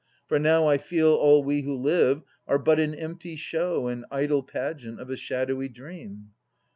For now I feel All we who live are but an empty show And idle pageant of a shadowy dream.